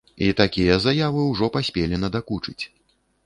І такія заявы ўжо паспелі надакучыць.